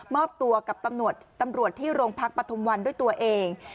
อบตัวกับตำรวจที่โรงพักปฐุมวันด้วยตัวเอง